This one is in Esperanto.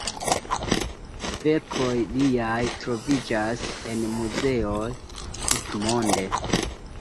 Verkoj liaj troviĝas en muzeoj tutmonde.